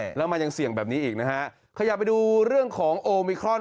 ใช่แล้วมันยังเสี่ยงแบบนี้อีกนะฮะขยับไปดูเรื่องของโอมิครอน